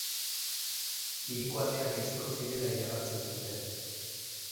Hiriko ateak itxiko zirela iragartzen zuten.